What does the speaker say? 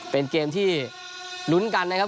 เป็นเกมที่ลุ้นกันนะครับ